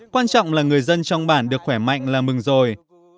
quan trọng là người dân trong bản được khỏe mạnh là mừng rồi